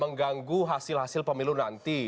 mengganggu hasil hasil pemilu nanti